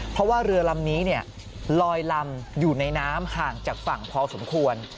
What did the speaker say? เพราะว่าเรือลำนี้ลอยลำอยู่ในน้ำห่างจากฝั่งพอสมควร